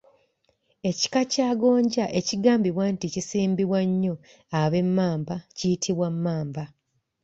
Ekika kya gonja ekigambibwa nti kisimbibwa nnyo ab’Emmamba kiyitibwa Mmamba.